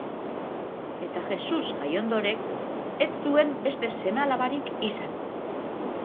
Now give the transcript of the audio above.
Eta Jesus jaio ondoren ez zuen beste seme-alabarik izan.